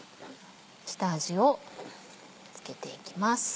下味を付けていきます。